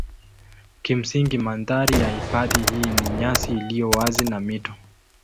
Kimsingi mandhari ya hifadhi hii ni nyasi iliyo wazi na mito.